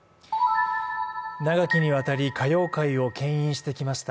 長きにわたり歌謡界をけん引してきました